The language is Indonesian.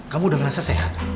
kamu udah ngerasa sehat